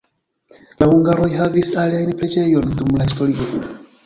La hungaroj havis alian preĝejon dum la historio.